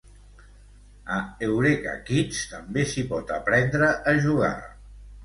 A Eurekakids també s'hi pot aprendre a jugar.